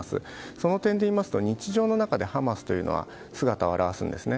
その点でいいますと日常の中でハマスというのが姿を現すんですね。